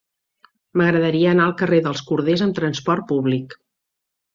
M'agradaria anar al carrer dels Corders amb trasport públic.